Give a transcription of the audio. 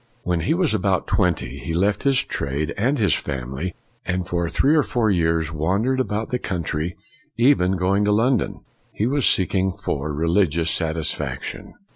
1 When he was about twenty, he left his trade and his family, and for three or four years wandered about the country, even going into London. He was seeking for religious satisfaction.